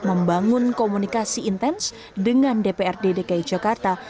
membangun komunikasi intens dengan dprd dki jakarta